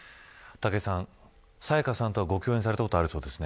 武井さん、沙也加さんと共演されたことあるそうですね。